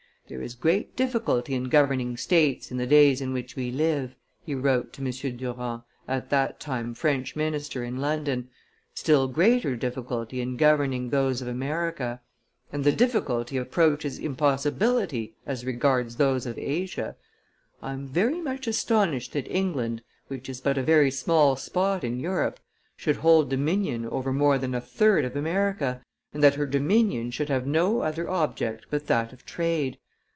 "There is great difficulty in governing States in the days in which we live," he wrote to M. Durand, at that time French minister in London; "still greater difficulty in governing those of America; and the difficulty approaches impossibility as regards those of Asia. I am very much astonished that England, which is but a very small spot in Europe, should hold dominion over more than a third of America, and that her dominion should have no other object but that of trade.